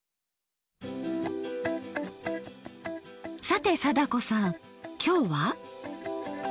さて貞子さんきょうは？